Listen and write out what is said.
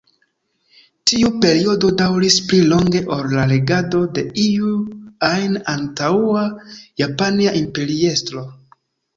Tiu periodo daŭris pli longe ol la regado de iu ajn antaŭa japania imperiestro.